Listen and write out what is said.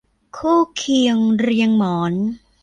คู่เคียงเรียงหมอน